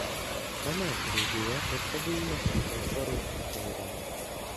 Občané Gruzie potřebují naši podporu a solidaritu.